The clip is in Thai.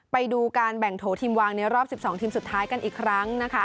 ไปดูการแบ่งโถทีมวางในรอบ๑๒ทีมสุดท้ายกันอีกครั้งนะคะ